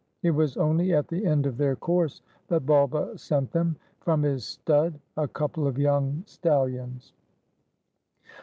It was only at the end of their course that Bulba sent them, from his stud, a couple of young stallions.